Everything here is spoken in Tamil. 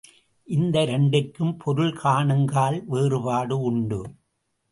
இந்த இரண்டிற்கும் பொருள் காணுங்கால் வேறுபாடு உண்டு.